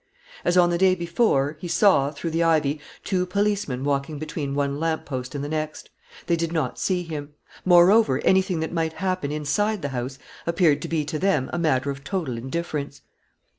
As on the day before, he saw, through the ivy, two policemen walking between one lamp post and the next. They did not see him. Moreover, anything that might happen inside the house appeared to be to them a matter of total indifference.